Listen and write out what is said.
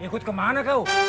ikut kemana kau